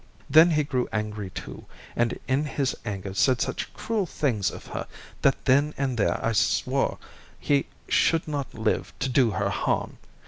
Then he grew angry too, and in his anger said such cruel things of her that then and there I swore he should not live to do her harm.